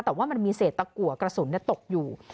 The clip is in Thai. แต่ว่ามันมีเศษตะกัวกระสุนตกอยู่